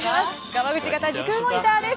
ガマグチ型時空モニターです。